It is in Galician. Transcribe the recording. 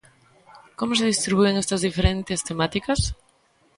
Como se distribúen estas diferentes temáticas?